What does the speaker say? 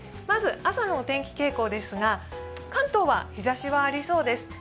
まず、朝のお天気傾向ですが関東は日ざしはありそうです。